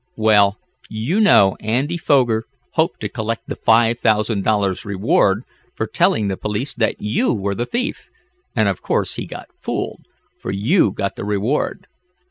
"Well, you know Andy Foger hoped to collect the five thousand dollars reward for telling the police that you were the thief, and of course he got fooled, for you got the reward.